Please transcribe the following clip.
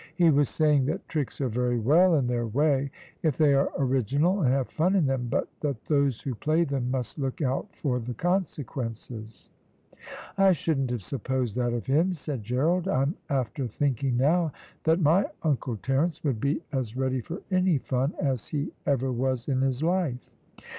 He was saying that tricks are very well in their way if they are original and have fun in them, but that those who play them must look out for the consequences." "I shouldn't have supposed that of him," said Gerald; "I'm after thinking now that my uncle Terence would be as ready for any fun as he ever was in his life."